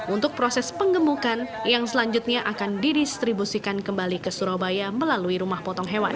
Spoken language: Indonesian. untuk proses pengemukan yang selanjutnya akan didistribusikan kembali ke surabaya melalui rumah potong hewan